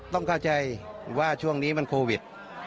ต้องเข้าใจว่าช่วงนี้มันโควิด